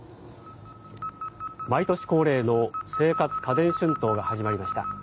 毎年恒例の生活家電春闘が始まりました。